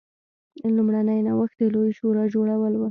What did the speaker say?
لومړنی نوښت د لویې شورا جوړول و.